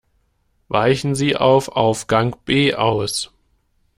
Weichen Sie auf Aufgang B aus.